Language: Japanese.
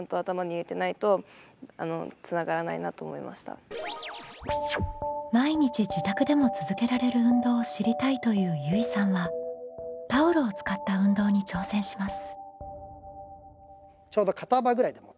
例えば「毎日自宅でも続けられる運動を知りたい」というゆいさんはタオルを使った運動に挑戦します。